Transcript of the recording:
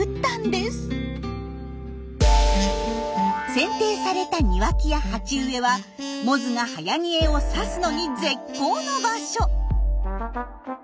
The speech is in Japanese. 剪定された庭木や鉢植えはモズがはやにえを刺すのに絶好の場所。